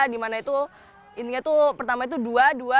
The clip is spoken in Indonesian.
dimana itu intinya tuh pertama itu dua dua